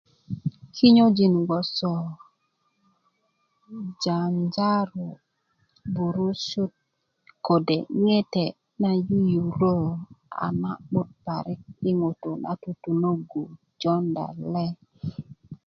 kinyojin gboŋ gboso janjaro burusut ko de ŋete na yuyurö a na 'but yi ŋutu' na tutunögu jonda le